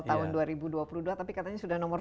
tahun dua ribu dua puluh dua tapi katanya sudah nomor